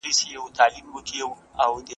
ایا هغوی خپله لاره پېژني؟